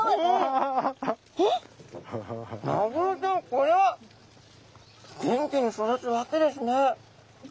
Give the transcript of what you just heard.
これは元気に育つわけですね。